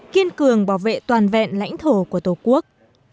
kiên cường bảo vệ toàn vẹn lãnh thổ của tổ quốc